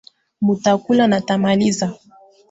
Mtakula na mtamaliza